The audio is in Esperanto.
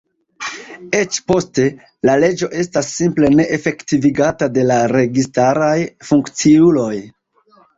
Eĉ poste, la leĝo estas simple ne efektivigata de la registaraj funkciuloj.